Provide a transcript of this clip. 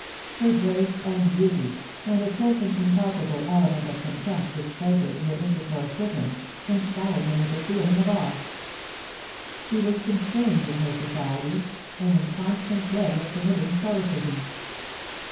Her grace and beauty, and a certain impalpable element of contempt which flavoured her intercourse with him, inspired him with a feel ing of awe. He was constrained in her society, and in con stant dread of committing solecisms.